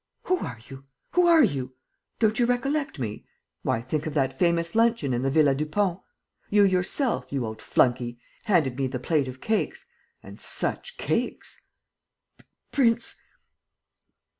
"Who are you? Who are you?" "Don't you recollect me? Why, think of that famous luncheon in the Villa Dupont! ... You yourself, you old flunkey, handed me the plate of cakes ... and such cakes!" "Prince.